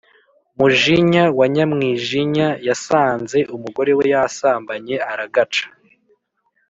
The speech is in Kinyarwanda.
Mujinya wa Nyamwijinya yasanze umugore we yasambanye aragaca.